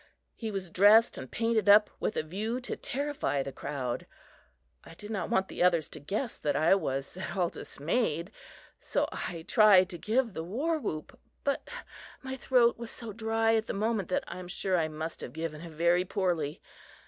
He was dressed and painted up with a view to terrify the crowd. I did not want the others to guess that I was at all dismayed, so I tried to give the war whoop; but my throat was so dry at the moment that I am sure I must have given it very poorly.